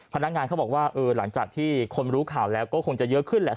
พนักงานเขาบอกว่าเออหลังจากที่คนรู้ข่าวแล้วก็คงจะเยอะขึ้นแหละ